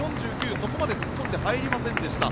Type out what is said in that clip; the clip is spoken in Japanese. そこまで突っ込んで入りませんでした。